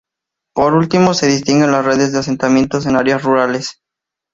Por último, se distinguen las redes de asentamientos en áreas rurales.